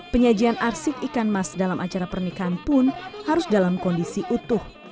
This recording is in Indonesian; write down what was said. penyajian arsik ikan mas dalam acara pernikahan pun harus dalam kondisi utuh